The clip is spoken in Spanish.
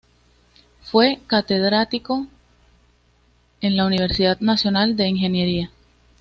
Fue catedrático en la Universidad Nacional de Ingeniería.